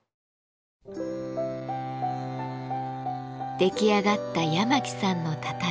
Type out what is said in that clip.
出来上がった八巻さんの畳。